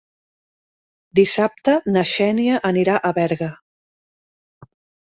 Dissabte na Xènia anirà a Berga.